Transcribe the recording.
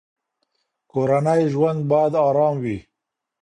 کورنی ژوند باید ارام وي.